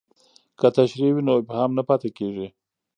که تشریح وي نو ابهام نه پاتې کیږي.